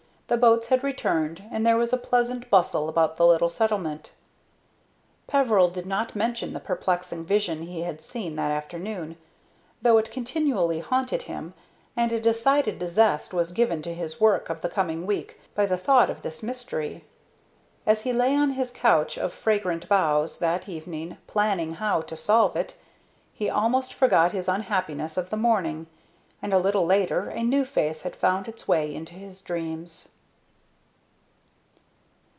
The boats had returned, and there was a pleasant bustle about the little settlement. Peveril did not mention the perplexing vision he had seen that afternoon, though it continually haunted him, and a decided zest was given to his work of the coming week by the thought of this mystery. As he lay on his couch of fragrant boughs that evening planning how to solve it, he almost forgot his unhappiness of the morning, and a little later a new face had found its way into his dreams.